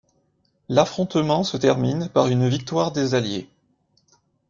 L'affrontement se termine par une victoire des Alliés.